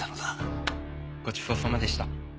ごちそうさまでした。